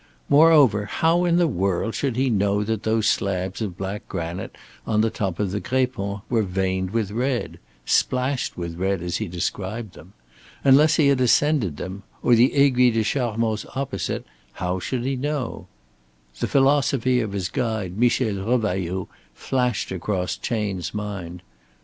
Moreover, how in the world should he know that those slabs of black granite on the top of the Grépon were veined with red splashed with red as he described them? Unless he had ascended them, or the Aiguille des Charmoz opposite how should he know? The philosophy of his guide Michel Revailloud flashed across Chayne's mind.